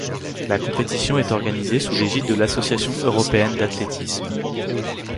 La compétition est organisée sous l'égide de l'Association européenne d'athlétisme.